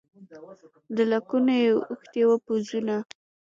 تر لکونو یې اوښتي وه پوځونه